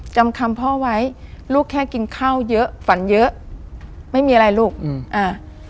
จำคำพ่อไว้ลูกแค่กินข้าวเยอะฝันเยอะไม่มีอะไรลูกอืมอ่า